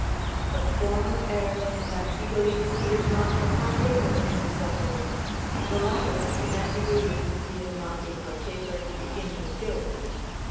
The former errs in that he believes he is not a partaker in the suffering; the latter, in that he believes he is not a partaker in the guilt.